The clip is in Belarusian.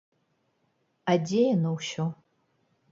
А дзе яно ўсё?